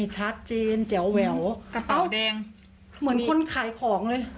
ชัดเจนแจ๋วแหววกระเป๋าแดงเหมือนคนขายของเลย